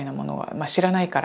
まあ知らないから。